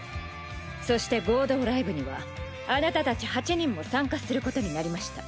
そして合同ライブにはあなたたち８人も参加することになりました。